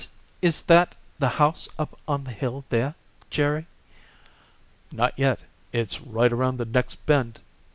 "Is is that the house up on the hill there, Jerry?" "Not yet. It's right around the next bend."